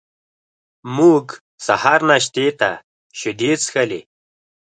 موږ سهار ناشتې ته شیدې څښلې.